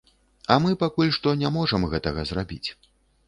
А мы пакуль што не можам гэтага зрабіць.